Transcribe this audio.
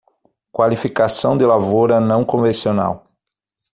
Qualificação de lavoura não convencional